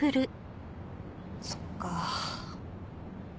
そっか。